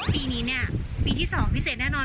ปีนี้เนี่ยปีที่๒พิเศษแน่นอน